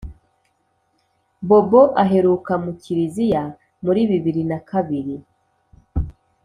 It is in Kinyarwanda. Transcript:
bobo aheruka mu kiriziya muri bibiri na kabiri